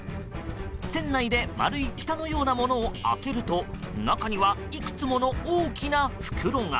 船内で丸いふたのようなものを開けると中には、いくつもの大きな袋が。